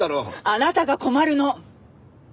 あなたが困るの！